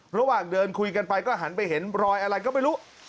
ระหว่างเดินคุยกันไปก็หันไปเห็นรอยอะไรก็ไม่รู้